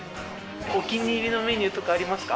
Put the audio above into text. お気に入りのメニューとかありますか？